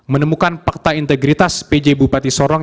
menemukan fakta integritas pj bupati sorong